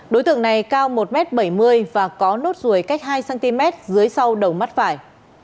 đối tượng này cao một m bảy mươi và có nốt ruồi cách hai cm dưới sau đầu mắt phải